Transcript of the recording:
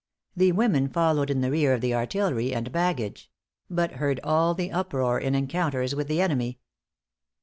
The women followed in the rear of the artillery and baggage; but heard all the uproar in encounters with the enemy.